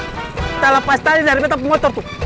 kita lepas tali dari metang pemotor tuh